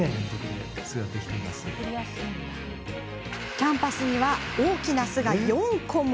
キャンパスに大きな巣が４個も。